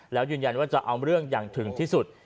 แล้วยืนยันว่าจะเอาเรื่องอย่างถึงที่สุด